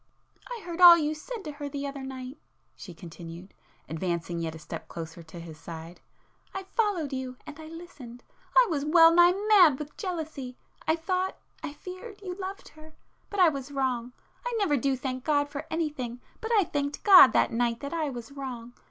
"I heard all you said to her the other night;" she continued, advancing yet a step closer to his side—"I followed you,—and I listened. I was well nigh mad with jealousy—I thought—I feared—you loved her,—but I was wrong. I never do thank God for anything,—but I thanked God that night that I was wrong!